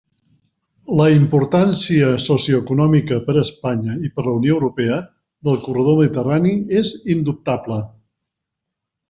La importància socioeconòmica, per a Espanya i per a la Unió Europea, del corredor mediterrani és indubtable.